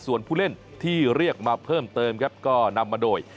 ส่วนผู้เล่นที่เรียกมาเพิ่มเติมครับก็นำมาโดย